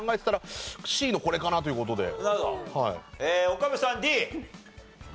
岡部さんＤ。